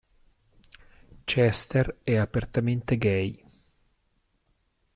Chester è apertamente gay.